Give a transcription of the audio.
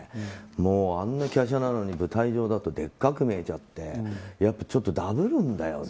あんな華奢なのに舞台上ではでっかく見えちゃってやっぱちょっとダブるんだよね。